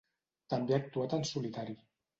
També ha actuat en solitari.